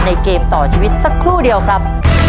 เกมต่อชีวิตสักครู่เดียวครับ